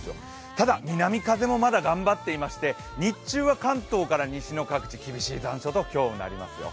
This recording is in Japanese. ただ南風もまだ頑張ってきまして日中は関東から西の各地、厳しい残暑と今日もなりますよ。